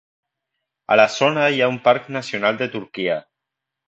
A la zona hi ha un Parc Nacional de Turquia.